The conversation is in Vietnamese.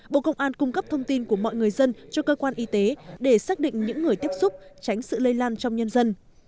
bộ công an cung cấp thông tin của mọi người dân cho cơ quan y tế để xác định những người tiếp xúc tránh sự lây lan trong nhân dân